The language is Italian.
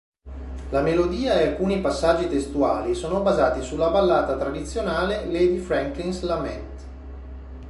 La melodia e alcuni passaggi testuali sono basati sulla ballata tradizionale "Lady Franklin's Lament".